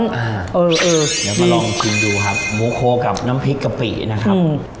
เดี๋ยวมาลองชิมดูครับหมูโคกับน้ำพริกกะปินะครับ